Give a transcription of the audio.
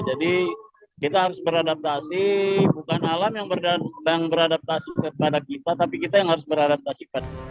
jadi kita harus beradaptasi bukan alam yang beradaptasi kepada kita tapi kita yang harus beradaptasi